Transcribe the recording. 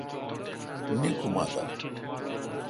نیکھ اُما دا۔